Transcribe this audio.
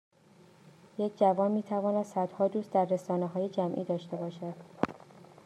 یک جوان میتواند صدها دوست در رسانههای جمعی داشته باشد